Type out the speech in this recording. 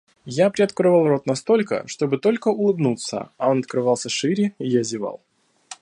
Я приоткрывал рот настолько, чтобы только улыбнуться, а он открывался шире и я зевал.